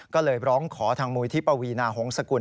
ก็เลยร้องขอทางมูลที่ปวีนาหงษกุล